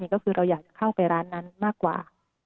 ก็คือเราอยากจะเข้าไปร้านนั้นมากกว่า